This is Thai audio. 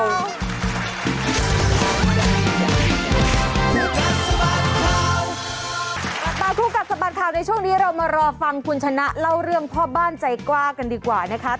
คู่กัดสะบัดข่าวในช่วงนี้เรามารอฟังคุณชนะเล่าเรื่องพ่อบ้านใจกล้ากันดีกว่านะคะ